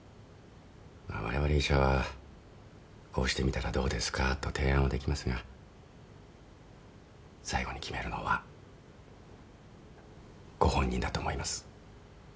われわれ医者はこうしてみたらどうですか？と提案はできますが最後に決めるのはご本人だと思います。